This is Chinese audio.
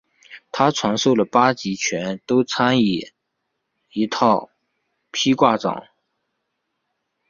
他传授的八极拳都参以一套劈挂掌。